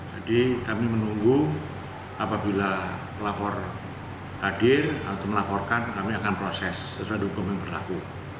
jadi kami menunggu apabila pelapor hadir atau melaporkan kami akan proses sesuai hukum yang berlaku